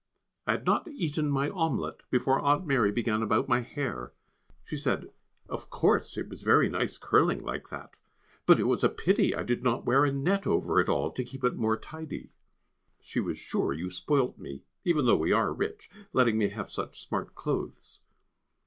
I had not eaten my omelette before Aunt Mary began about my hair. She said of course it was very nice curling like that, but it was a pity I did not wear a net over it all to keep it more tidy. She was sure you spoilt me, even though we are rich, letting me have such smart clothes.